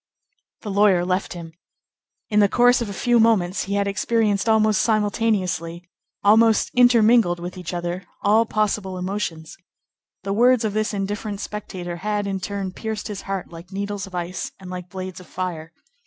The lawyer left him. In the course of a few moments he had experienced, almost simultaneously, almost intermingled with each other, all possible emotions. The words of this indifferent spectator had, in turn, pierced his heart like needles of ice and like blades of fire.